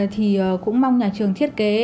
thì cũng mong nhà trường thiết kế